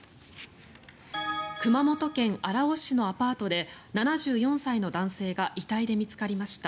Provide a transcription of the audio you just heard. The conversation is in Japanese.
熊本県荒尾市のアパートで７４歳の男性が遺体で見つかりました。